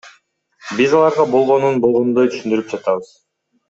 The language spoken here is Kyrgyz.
Биз аларга болгонун болгондой түшүндүрүп жатабыз.